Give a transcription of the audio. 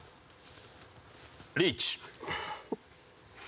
リーチ。